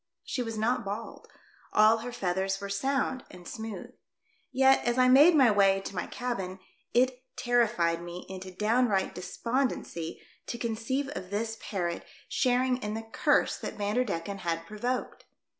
She was not bald. All her feathers were sound and smooth. Yet, as I made my way to my cabin, it terrified me into downright des pondency to conceive of this parrot sharing in 148 THE DEATH SHIP. the Curse that Vanderdecken had provoked.